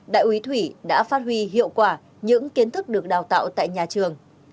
đại úy thủy đã phát huy hiệu quả những kiến thức được đào tạo tại nhà trường